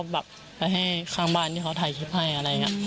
ไปให้ข้างบ้านที่เขาถ่ายคลิปให้